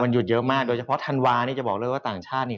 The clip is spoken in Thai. หยุดเยอะมากโดยเฉพาะธันวาเนี่ยจะบอกเลยว่าต่างชาตินี่